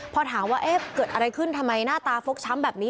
พอถามว่าเอ๊ะเกิดอะไรขึ้นทำไมหน้าตาฟกช้ำแบบนี้